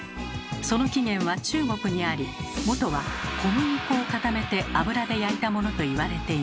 その起源は中国にあり元は小麦粉を固めて油で焼いたものと言われています。